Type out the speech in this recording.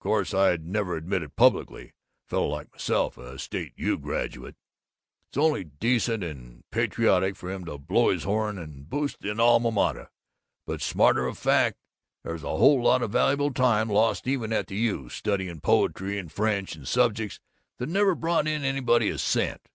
Course I'd never admit it publicly fellow like myself, a State U. graduate, it's only decent and patriotic for him to blow his horn and boost the Alma Mater but smatter of fact, there's a whole lot of valuable time lost even at the U., studying poetry and French and subjects that never brought in anybody a cent.